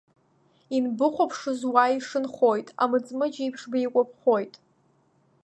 Инбыхәаԥшыз уа ишынхоит, амыҵмыџь еиԥш беикәаԥхоит.